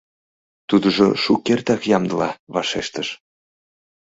Тудыжо шукертак ямдыла вашештыш: